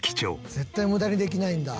「絶対無駄にできないんだ」